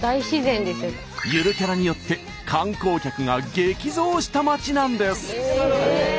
ゆるキャラによって観光客が激増した町なんです。